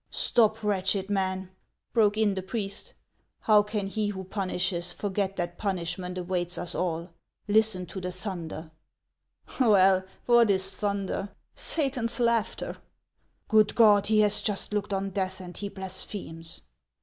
" Stop, wretched man !" broke in the priest. " How can he who punishes forget that punishment awaits us all ? Listen to the thunder —" HANS OF ICELAND. 147 " Well, what is thunder ? Satan's laughter." "Good God, he has just looked on death, and he blasphemes